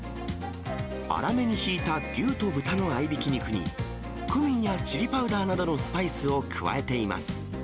粗めにひいた牛と豚の合いびき肉に、クミンやチリパウダーなどのスパイスを加えています。